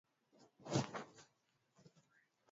Kilio chake kilimsaidia.